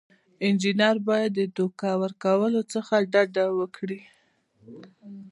انجینر باید د دوکه ورکولو څخه ډډه وکړي.